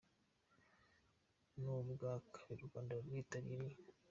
Ni ubwa kabiri u Rwanda rwitabiriye.